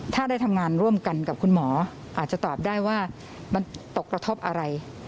ถ้าได้ทำงานร่วมกันกับคุณหมออาจจะตอบได้ว่ามันตกกระทบอะไร